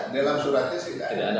dalam suratnya sih tidak ada